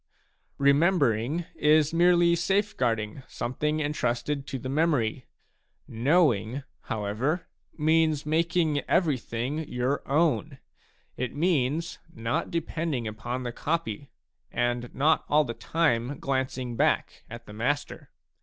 Remembering is merely safeguarding something entrusted to the memory ; knowing, how ever, means making everything your own ; it means not depending upon the copy and not all the time glancing back at the master.